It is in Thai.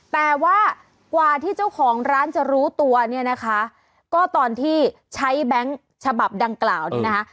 แต่ว่ากว่าที่เจ้าของร้านจะรู้ตัวเนี่ยนะคะก็ตอนที่ใช้แบงค์ฉบับดังกล่าวเนี่ยนะคะ